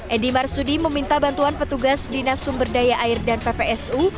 edi marsudi meminta bantuan petugas dinas sumber daya air dan ppsu